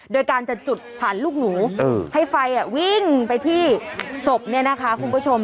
โดยการจะจุดผ่านลูกหนูให้ไฟวิ่งไปที่ศพเนี่ยนะคะคุณผู้ชม